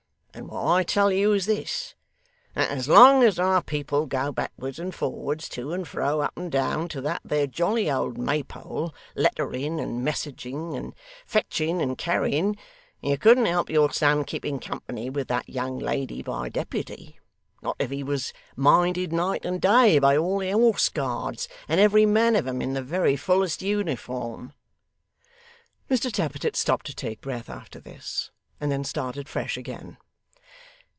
And what I tell you is this that as long as our people go backwards and forwards, to and fro, up and down, to that there jolly old Maypole, lettering, and messaging, and fetching and carrying, you couldn't help your son keeping company with that young lady by deputy, not if he was minded night and day by all the Horse Guards, and every man of 'em in the very fullest uniform.' Mr Tappertit stopped to take breath after this, and then started fresh again.